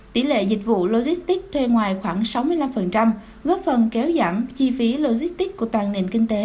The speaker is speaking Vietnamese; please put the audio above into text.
tỷ lệ dịch vụ logistics thuê ngoài khoảng sáu mươi năm góp phần kéo giảm chi phí logistics của toàn nền kinh tế